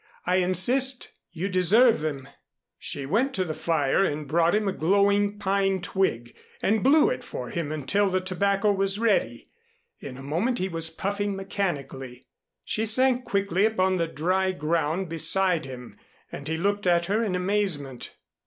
"I insist, you deserve them," she went to the fire and brought him a glowing pine twig, and blew it for him until the tobacco was ready. In a moment he was puffing mechanically. She sank quickly upon the dry ground beside him and he looked at her in amazement.